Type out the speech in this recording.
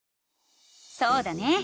そうだね！